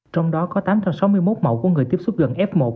trong đó có tám trăm sáu mươi một mẫu của người tiếp xúc gần f một